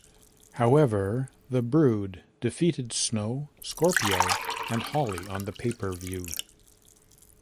However, The Brood defeated Snow, Scorpio, and Holly on the pay-per-view.